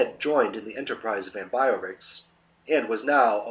joined in the enterprise of Ambiorix, and was now a.